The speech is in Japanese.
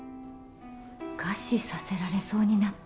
餓死させられそうになった？